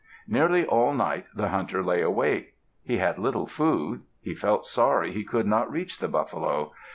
Nearly all night the hunter lay awake. He had little food. He felt sorry he could not reach the buffalo.